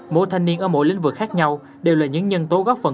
mỗi thanh niên ở mỗi lĩnh vực khác nhau đều là những nhân tố góp phần